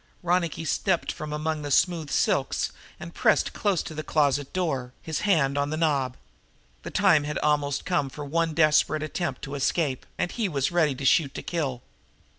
Ronicky stepped from among the smooth silks and pressed close to the door of the closet, his hand on the knob. The time had almost come for one desperate attempt to escape, and he was ready to shoot to kill.